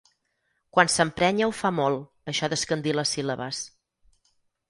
Quan s'emprenya ho fa molt, això d'escandir les síl·labes.